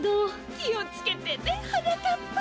きをつけてねはなかっぱ。